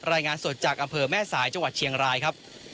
รายงานสดจากอำเภอแม่สายจังหวัดเชียงรายครับ